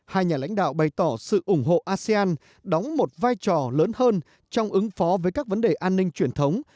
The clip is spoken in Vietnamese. hai nhà lãnh đạo bày tỏ sự ủng hộ asean đóng một vai trò lớn hơn trong ứng phó với các vấn đề an ninh truyền thống